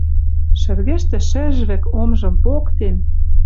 Шӹргӹштӹ шӹжвӹк, омжым поктен